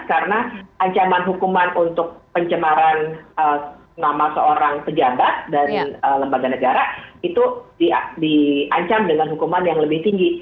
karena ancaman hukuman untuk pencemaran nama seorang pejabat dari lembaga negara itu diancam dengan hukuman yang lebih tinggi